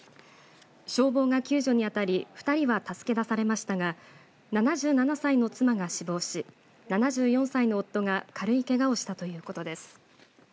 消防が救助にあたり２人は助け出されましたが７７歳の妻が死亡し７４歳の夫が軽いけがをしたということです。